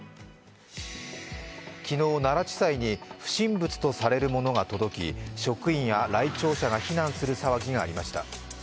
昨日、奈良地裁に不審物とされるものが届き職員や来庁者が避難する騒ぎがありました。